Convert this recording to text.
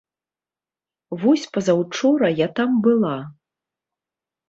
Вось пазаўчора я там была.